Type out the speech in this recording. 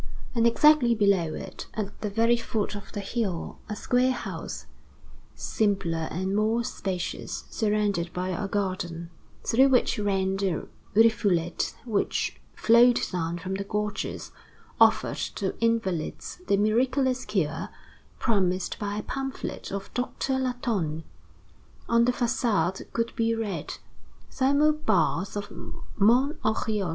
And exactly below it, at the very foot of the hill, a square house, simpler and more spacious, surrounded by a garden, through which ran the rivulet which flowed down from the gorges, offered to invalids the miraculous cure promised by a pamphlet of Doctor Latonne. On the façade could be read: "Thermal baths of Mont Oriol."